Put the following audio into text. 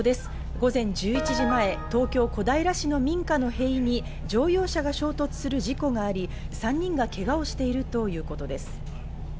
午前１１時前、東京・小平市の民家の塀に乗用車が衝突する事故があり、３人がけがをしているということです。